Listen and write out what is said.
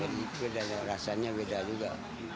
jadi rasanya beda juga